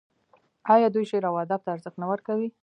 آیا دوی شعر او ادب ته ارزښت نه ورکوي؟